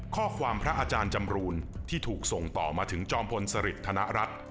ข้อความพระอาจารย์จำรูนที่ถูกส่งต่อมาถึงจอมพลสฤษฐนรัฐ